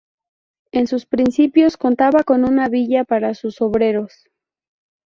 En sus principios contaba con una villa para sus obreros.